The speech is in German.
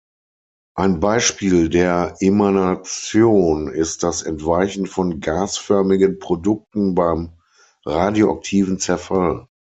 Ein Beispiel der Emanation ist das Entweichen von gasförmigen Produkten beim radioaktiven Zerfall.